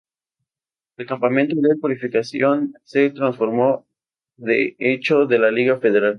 El Campamento de Purificación se transformó de hecho de la Liga Federal.